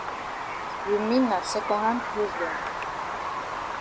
You mean na second hand closs dem.